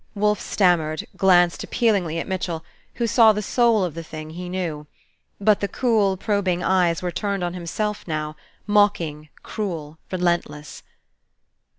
Wolfe stammered, glanced appealingly at Mitchell, who saw the soul of the thing, he knew. But the cool, probing eyes were turned on himself now, mocking, cruel, relentless.